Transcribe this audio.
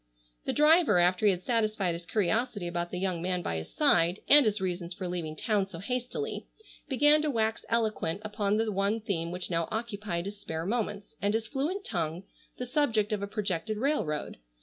The driver after he had satisfied his curiosity about the young man by his side, and his reasons for leaving town so hastily, began to wax eloquent upon the one theme which now occupied his spare moments and his fluent tongue, the subject of a projected railroad.